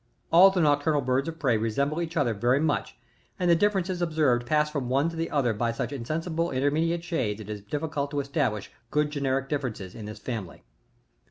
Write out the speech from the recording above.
60. All the nocturnal birds of prey resemble each other very much, and the differences observed pass from one to the other by such insensible intermediate shades that it is difficult to establish good generic differences in this femily.